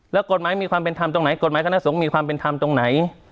แล้วกฎหมายมีความเป็นธรรมตรงไหนกฎหมายคณะสงฆ์มีความเป็นธรรมตรงไหน